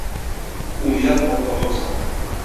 Unidad Ortodoxa.